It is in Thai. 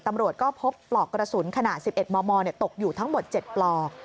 ตำรวจก็พบปลอกกระสุนขนาด๑๑มมตกอยู่ทั้งหมด๗ปลอก